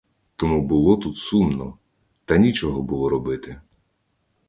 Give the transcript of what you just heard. Тому було тут сумно, та нічого було робити.